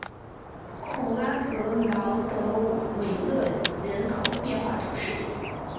孔拉格朗德维勒人口变化图示